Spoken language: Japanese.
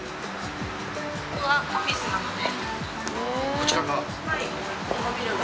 こちらが。